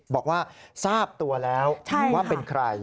บอกว่าทราบตัวแล้วว่าเป็นใคร